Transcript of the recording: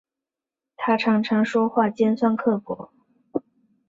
她常常说话尖酸刻薄